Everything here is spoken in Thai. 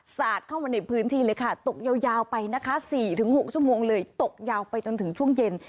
สาดเข้ามาในพื้นที่เลยค่ะตกยาวไปนะคะ๔๖ชั่วโมงเลยตกยาวไปจนถึงช่วงเย็น